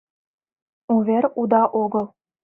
Увер уда огыл...